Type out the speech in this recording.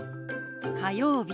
「火曜日」。